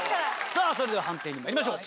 さぁそれでは判定にまいりましょう。